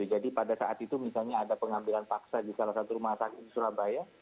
jadi pada saat itu misalnya ada pengambilan paksa di salah satu rumah sakit di surabaya